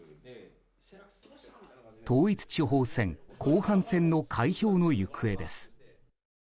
統一地方選後半戦の開票の行方です。